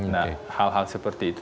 nah hal hal seperti itu